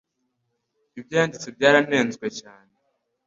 Ibyo yanditse byaranenzwe cyane